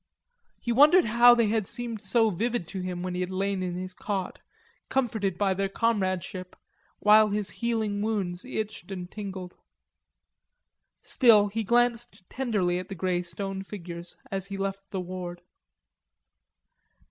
He wondered how they had seemed so vivid to him when he had lain in his cot, comforted by their comradeship, while his healing wounds itched and tingled. Still he glanced tenderly at the grey stone figures as he left the ward.